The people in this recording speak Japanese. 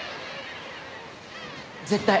絶対。